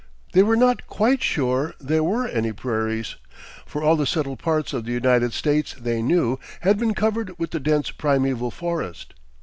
They were not quite sure there were any prairies, for all the settled parts of the United States, they knew, had been covered with the dense primeval forest.